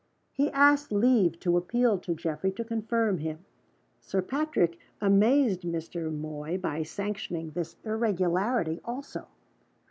He asked leave to appeal to Geoffrey to confirm him. Sir Patrick amazed Mr. Moy by sanctioning this irregularity also.